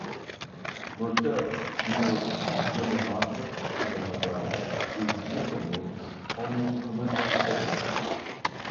Mertert near Grevenmacher on the Moselle is Luxembourg's only commercial port.